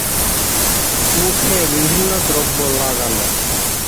মুখে বিভিন্ন দ্রব্য লাগানো।